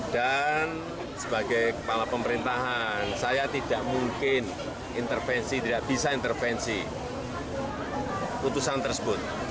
dan sebagai kepala pemerintahan saya tidak mungkin intervensi tidak bisa intervensi putusan tersebut